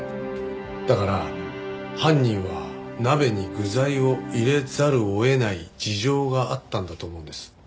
だから犯人は鍋に具材を入れざるを得ない事情があったんだと思うんです。